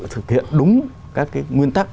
thực hiện đúng các cái nguyên tắc